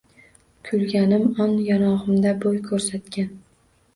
Kulganim on yonog’imda bo’y ko’rsatgan